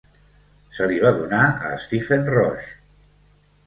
Se li va donar a Stephen Roche.